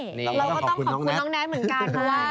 เราก็ต้องขอบคุณน้องแนนทเหมือนกันมาก